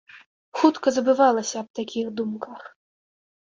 Хутка забывалася аб такіх думках.